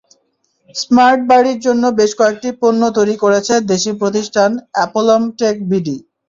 Smart বাড়ির জন্য বেশ কয়েকটি পণ্য তৈরি করেছে দেশি প্রতিষ্ঠান অ্যাপলম্বটেক বিডি।